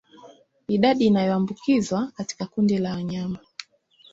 Idadi inayoambukizwa katika kundi la wanyama